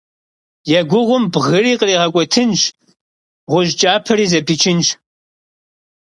Yêguğum bgıri khriğek'uetınş, ğuş' ç'apseri zepiçınş.